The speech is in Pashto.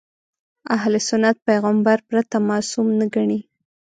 اهل سنت پیغمبر پرته معصوم نه ګڼي.